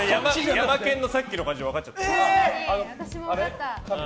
ヤマケンのさっきの感じで分かっちゃった。